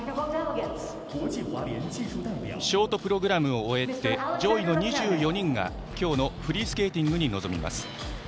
ショートプログラムを終えて上位の２４人が今日のフリースケーティングに臨みます。